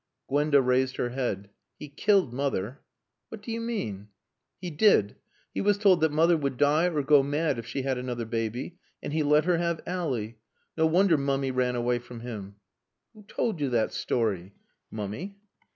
Gwenda raised her head. "He killed Mother." "What do you mean?" "He did. He was told that Mother would die or go mad if she had another baby. And he let her have Ally. No wonder Mummy ran away from him." "Who told you that story?" "Mummy."